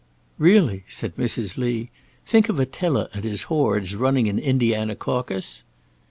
"Really!" said Mrs. Lee. "Think of Attila and his hordes running an Indiana caucus?"